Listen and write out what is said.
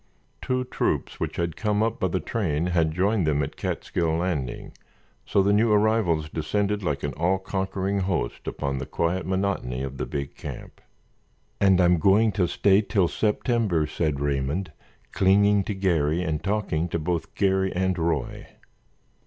Two troops which had come up by the train had joined them at Catskill Landing so the new arrivals descended like an all conquering host upon the quiet monotony of the big camp. "And I'm going to stay till September," said Raymond, clinging to Garry and talking to both Garry and Roy.